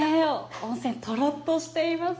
温泉、とろっとしています。